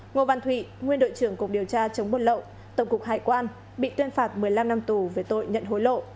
ngô văn thụy nguyên đội trưởng cục điều tra chống buôn lậu tổng cục hải quan bị tuyên phạt một mươi năm năm tù về tội nhận hối lộ